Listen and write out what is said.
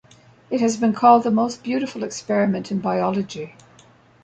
It has been called the most beautiful experiment in biology.